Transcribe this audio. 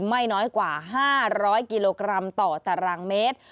ไม่น้อยกว่า๕๐๐กิโลกรัมต่อตารางเมตร